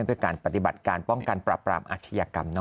เพื่อการปฏิบัติการป้องกันปราบปรามอาชญากรรม